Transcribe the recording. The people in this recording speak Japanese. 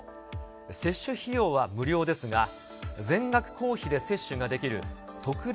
接種費用は無料ですが、全額公費で接種ができる特例